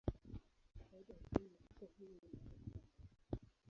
Faida ya jumla, hata hivyo, inaweza kuwa ndogo.